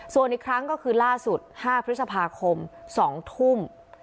ส่วนอีกครั้งก็คือล่าสุด๕พฤษภาคม๒ทุ่ม